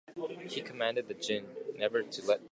He commanded the jinn never to let the fire die down.